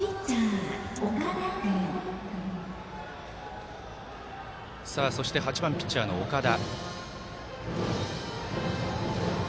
そしてバッター８番ピッチャーの岡田。